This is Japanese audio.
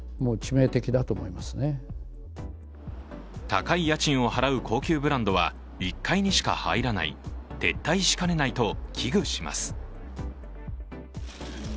高い家賃を払う高級ブランドは１階にしか入らない、撤退しかねないと危惧します。